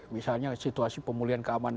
misalnya situasi pemulihan keamanan